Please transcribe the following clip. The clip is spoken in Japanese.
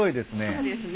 そうですね。